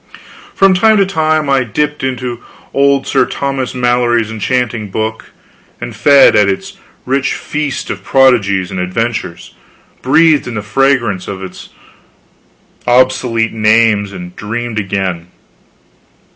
From time to time I dipped into old Sir Thomas Malory's enchanting book, and fed at its rich feast of prodigies and adventures, breathed in the fragrance of its obsolete names, and dreamed again.